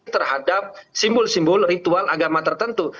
terhadap simbol simbol ritual agama tertentu